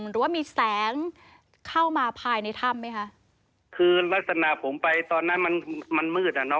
หรือว่ามีแสงเข้ามาภายในถ้ำไหมคะคือลักษณะผมไปตอนนั้นมันมันมืดอ่ะเนอ